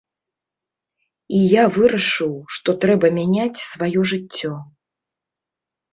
І я вырашыў, што трэба мяняць сваё жыццё.